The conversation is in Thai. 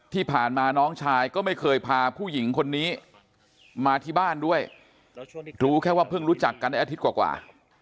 ที่ผ่านมาน้องชายก็ไม่เคยพาผู้หญิงคนนี้มาที่บ้านด้วยรู้แค่ว่าเพิ่งรู้จักกันได้อาทิตย์กว่า